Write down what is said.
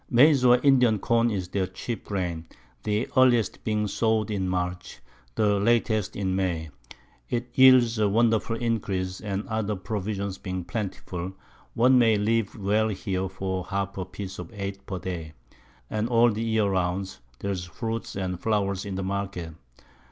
Maiz or Indian Corn is their chief Grain, the earliest being sow'd in March, the latest in May. It yields a wonderful Increase, and other Provisions being plentiful, one may live well here for half a Piece of Eight per Day, and all the Year round there's Fruit and Flowers in the Market.